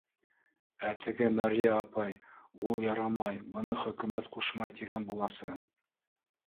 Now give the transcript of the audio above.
Ә теге мәрйә апай ул ярамай, быны хөкүмәт ҡушмай, тигән буласы.